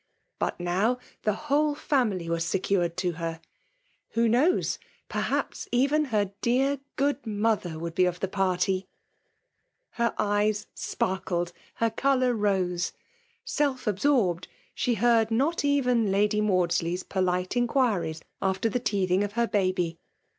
But now the whole family was secured to her. Who knows, — perhaps even her dear, good mother would be of the party ? Her eyes sparkled, — ^her colour rose. Self absorbed, she heard not even Lady FEMALU DOMINA*nOK. S3 Maiidsley'fi polite inquiries after the teetUng of her baby.